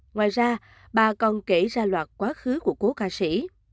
ngoài ra bà còn kể ra loạt quá khứ của cố ca sĩ